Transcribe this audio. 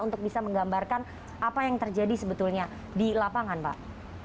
untuk bisa menggambarkan apa yang terjadi sebetulnya di lapangan pak